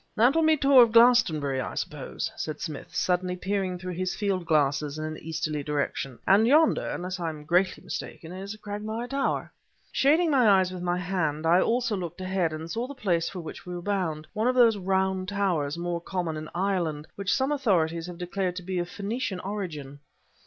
"That will be the Tor of Glastonbury, I suppose," said Smith, suddenly peering through his field glasses in an easterly direction; "and yonder, unless I am greatly mistaken, is Cragmire Tower." Shading my eyes with my hand, I also looked ahead, and saw the place for which we were bound; one of those round towers, more common in Ireland, which some authorities have declared to be of Phoenician origin.